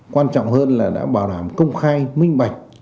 quan trọng hơn là đã bảo đảm công khai minh bạch